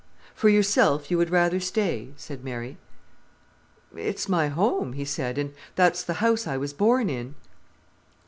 "For yourself, you would rather stay?" said Mary. "It's my home," he said, "and that's the house I was born in."